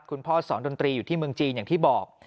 คุณพ่อสอนดนตรีอยู่ที่เมืองจีนอย่างที่บอก